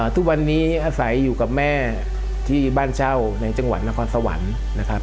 ทุกวันนี้อาศัยอยู่กับแม่ที่บ้านเช่าในจังหวัดนครสวรรค์นะครับ